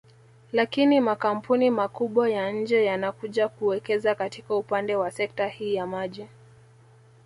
Lakini makampuni makubwa ya nje yanakuja kuwekeza katika upande wa sekta hii ya maji